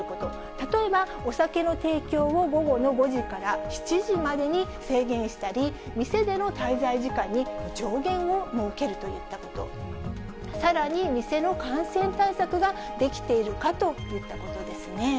例えば、お酒の提供を午後の５時から７時までに制限したり、店での滞在時間に上限を設けるといったこと、さらに店の感染対策ができているかといったことですね。